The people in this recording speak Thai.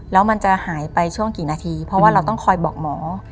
แล้วมันจะหายไปช่วงกี่นาทีเพราะว่าเราต้องคอยบอกหมอ